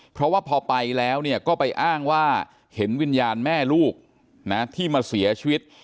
เพราะว่าพอไปแล้วก็ไปอ้างว่าเห็นวิญญาณแม่ลูกนะที่มาเสียชีวิต